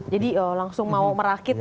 jadi oh langsung mau merakit ya